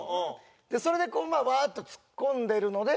それでワーッとツッコんでるので。